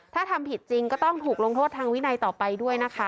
ถ้าทำผิดจริงก็ต้องถูกลงโทษทางวินัยต่อไปด้วยนะคะ